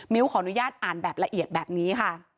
ขออนุญาตอ่านแบบละเอียดแบบนี้ค่ะ